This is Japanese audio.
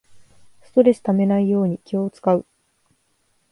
ストレスためないように気をつかう